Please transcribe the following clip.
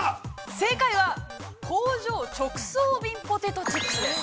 ◆正解は、工場直送便ポテトチップスです。